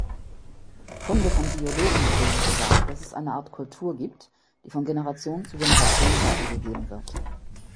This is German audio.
Funde von Biologen belegen sogar, dass es eine Art Kultur gibt, die von Generation zu Generation weitergegeben wird.